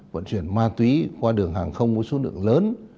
vận chuyển ma túy qua đường hàng không với số lượng lớn